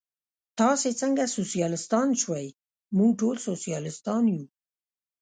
تاسې څنګه سوسیالیستان شوئ؟ موږ ټول سوسیالیستان یو.